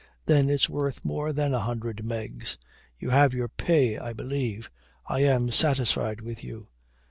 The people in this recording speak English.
"Then it's worth more than a hundred megs." "You have your pay, I believe. I am satisfied with you."